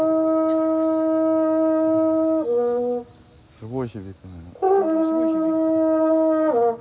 すごい響くね。